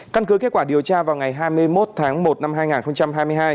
căn cứ kết quả điều tra vào ngày hai mươi một tháng một năm hai nghìn hai mươi hai